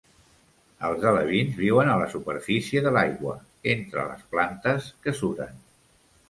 Els alevins viuen a la superfície de l'aigua, entre les plantes que suren.